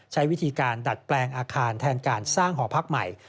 ใช้วิธีการดัดแปลงอาคารแทนการสร้างหอพักใหม่